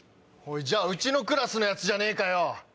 じゃあうちのクラスの奴じゃねえかよ。